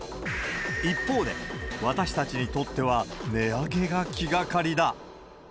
一方で、私たちにとっては値上げが気がかりだ。